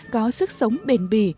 có sức sống bền bì